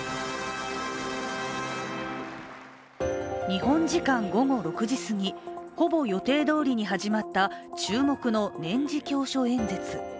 日本時間午後６時すぎ、ほぼ予定どおりに始まった、注目の年次教書演説。